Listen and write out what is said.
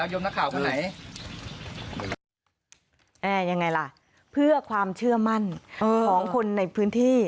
ยังไงล่ะเพื่อความเชื่อมั่นของคนในพื้นที่